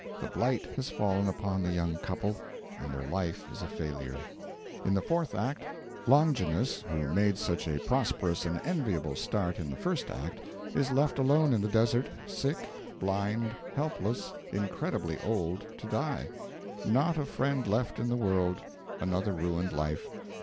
The blight has fallen upon the young couple, and their life is a failure. In the fourth act, Longinus, who made such a prosperous and enviable start in the first act, is left alone in the desert, sick, blind, helpless, incredibly old, to die: not a friend left in the world another ruined life.